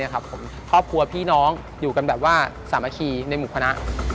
ครอบครัวพี่น้องอยู่กันแบบว่าสามัคคีในหมู่คณะ